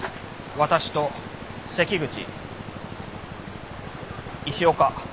私と関口石岡